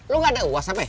lo gak ada uas be